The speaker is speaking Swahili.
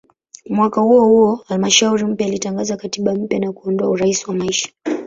Mwaka huohuo halmashauri mpya ilitangaza katiba mpya na kuondoa "urais wa maisha".